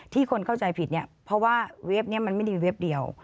คนเข้าใจผิดเนี่ยเพราะว่าเว็บนี้มันไม่ได้มีเว็บเดียว